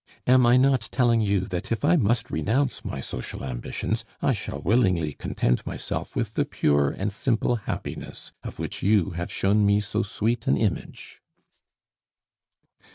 am I not telling you that if I must renounce my social ambitions, I shall willingly content myself with the pure and simple happiness of which you have shown me so sweet an image?